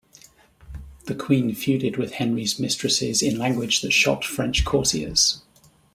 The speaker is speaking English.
The queen feuded with Henry's mistresses in language that shocked French courtiers.